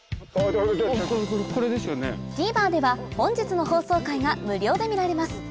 ＴＶｅｒでは本日の放送回が無料で見られます